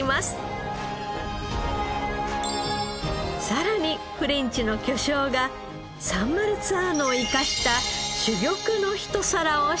さらにフレンチの巨匠がサンマルツァーノを生かした珠玉の一皿を仕立てます。